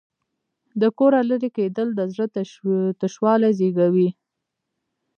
د کوره لرې کېدل د زړه تشوالی زېږوي.